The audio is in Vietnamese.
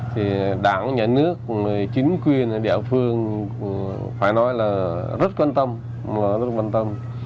thì đảng nhà nước chính quyền địa phương phải nói là rất quan tâm và rất quan tâm